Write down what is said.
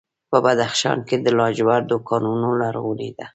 په بدخشان کې د لاجوردو کانونه لرغوني دي